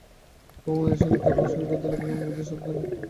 অপু মায়ের সঙ্গে তর্ক শুরু করিল-আমি বুঝি সবদিন এইরকম বাড়িতে বসে থাকবো?